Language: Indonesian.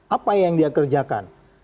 apa yang dia kerjakan